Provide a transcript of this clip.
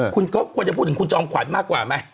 คุณก็ควรจะพูดถึงคุณจอมขวัญมากกว่าไหม